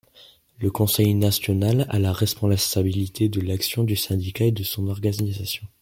Le conseil national a la responsabilité de l’action du syndicat et de son organisation.